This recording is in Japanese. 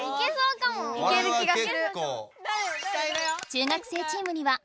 いける気がする。